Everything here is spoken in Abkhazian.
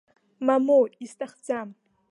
Мамоу, исҭахӡам.